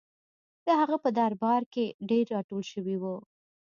د هغه په درباره کې ډېر راټول شوي وو.